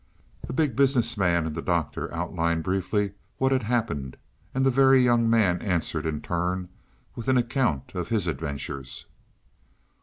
The Big Business Man and the Doctor outlined briefly what had happened, and the Very Young Man answered in turn with an account of his adventures.